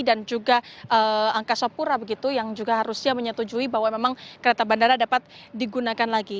dan juga angkasa pura begitu yang juga harusnya menyetujui bahwa memang kereta bandara dapat digunakan lagi